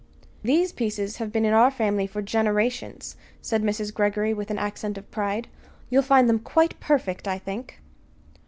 "These pieces have been in our family for generations," said Mrs. Greggory with an accent of pride. "You'll find them quite perfect, I think."